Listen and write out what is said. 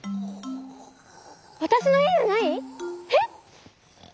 わたしのへやじゃない？えっ？